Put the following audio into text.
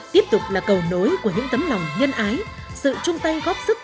tiếp tục là cầu nối của những tấm lòng nhân ái sự chung tay góp sức